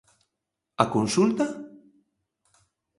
A consulta?